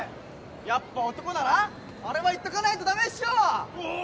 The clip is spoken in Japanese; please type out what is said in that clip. やっぱ男ならあれは行っとかないとダメっしょお！